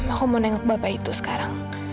aku mau nengok bapak itu sekarang